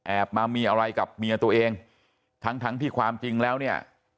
มามีอะไรกับเมียตัวเองทั้งทั้งที่ความจริงแล้วเนี่ย